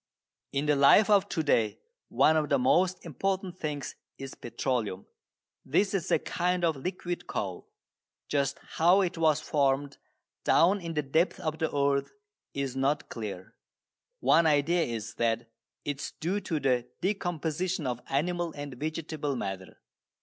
In the life of to day one of the most important things is petroleum. This is a kind of liquid coal. Just how it was formed down in the depths of the earth is not clear. One idea is that it is due to the decomposition of animal and vegetable matter.